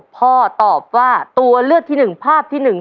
พ่อตอบว่าตัวเลือดที่หนึ่งภาพที่หนึ่ง